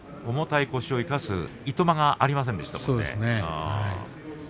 重たい腰を生かすいとまがありませんでしたね。